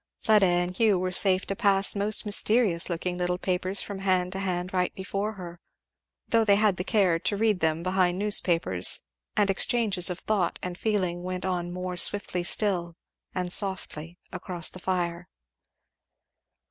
Fleda and Hugh were safe to pass most mysterious looking little papers from hand to hand right before her, though they had the care to read them behind newspapers, and exchanges of thought and feeling went on more swiftly still, and softly, across the fire.